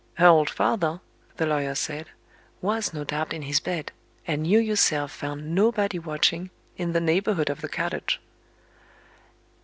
"Her old father," the lawyer said, "was no doubt in his bed, and you yourself found nobody watching, in the neighborhood of the cottage."